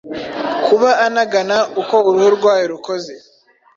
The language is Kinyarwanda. Kuba anagana, uko uruhu rwayo rukoze